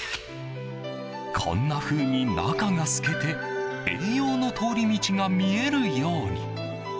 こんなふうに中が透けて栄養の通り道が見えるように。